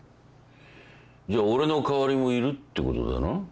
じゃあ俺の代わりもいるってことだな